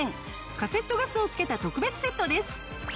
カセットガスを付けた特別セットです。